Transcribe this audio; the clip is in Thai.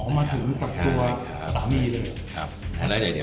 อ๋อมาถึงกับตัวสามีเลย